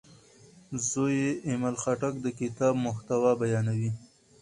زوی یې ایمل خټک د کتاب محتوا بیانوي.